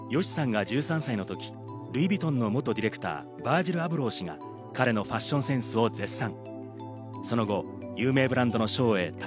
ＹＯＳＨＩさんが１３歳の時、ルイ・ヴィトンの元ディレクター、ヴァージル・アブロー氏が彼のファッションセンスを絶賛。